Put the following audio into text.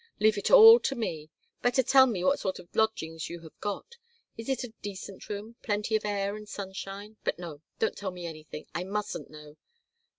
"Leave it all to me. Better tell me what sort of lodgings you have got. Is it a decent room? Plenty of air and sunshine? But, no. Don't tell me anything. I mustn't know."